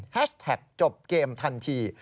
แท็กจบเกมทันที